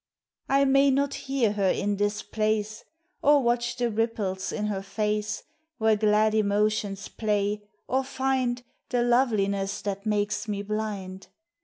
118 THE BUTTERFLY I may not hear her in this place, Or watch the ripples in her face Where glad emotions play, or find The loveliness that makes me blind.